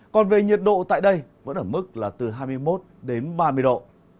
còn về nhiệt độ tại đây vẫn ở mức là từ hai mươi một đến ba mươi độ